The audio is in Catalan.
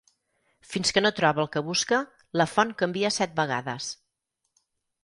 Fins que no troba el que busca la font canvia set vegades.